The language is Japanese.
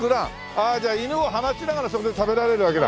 ああじゃあ犬を放しながらそこで食べられるわけだ。